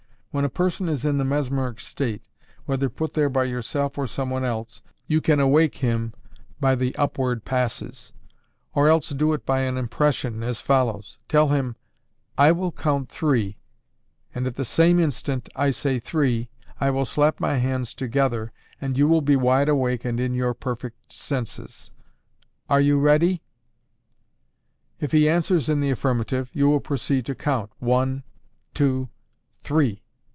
When a person is in the mesmeric state, whether put there by yourself or some one else, you can awake him by the upward passes: or else do it by an impression, as follows: Tell him, "I will count three, and at the same instant I say three, I will slap my hands together, and you will be wide awake and in your perfect senses. Are you ready?" If he answers in the affirmative, you will proceed to count "one, TWO, THREE!"